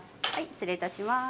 失礼いたします。